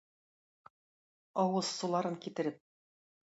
Авыз суларын китереп...